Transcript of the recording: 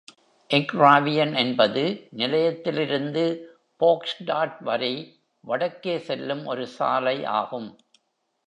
எக்ராவியன் என்பது நிலையத்திலிருந்து போக்ஸ்டாட் வரை வடக்கே செல்லும் ஒரு சாலை ஆகும்.